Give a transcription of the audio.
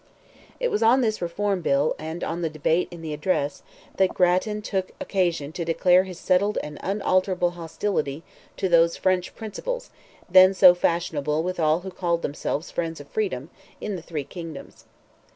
It was on this Reform bill, and on the debate on the address, that Grattan took occasion to declare his settled and unalterable hostility to those "French principles," then so fashionable with all who called themselves friends of freedom, in the three kingdoms.